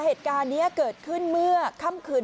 เหตุการณ์นี้เกิดขึ้นเมื่อค่ำคืน